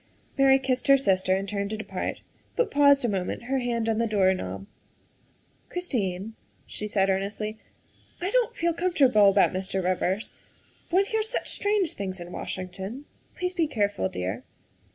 Mary kissed her sister and turned to depart, but paused a moment, her hand on the door knob. " Christine," she said earnestly, " I don't feel com fortable about Mr. Rivers. One hears such strange things in Washington. Please be careful, dear."